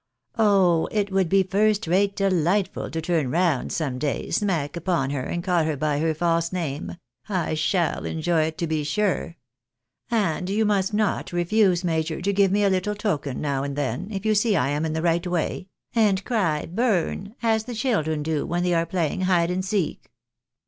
" Oh ! it would be first rate delightful to turn round some day, smack upon her, and call her by her false name. I sJiall enjoy it to be sure ! And you must not refuse, major, to give me a little token, now and then, if you see I am in the right way, and cry ' Burn !' as the children do when they are playing hide and seek."